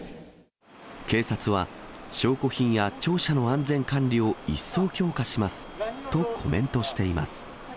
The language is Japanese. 警察は証拠品や庁舎の安全管理を一層強化しますとコメントしています。